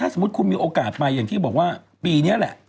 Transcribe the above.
สมมุติคุณมีโอกาสไปอย่างที่บอกว่าปีนี้แหละ